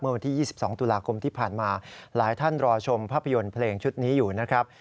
วันที่๒๒ตุลาคมที่ผ่านมาหลายท่านรอชมภาพยนตร์เพลงชุดนี้อยู่นะครับ